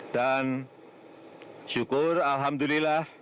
dan syukur alhamdulillah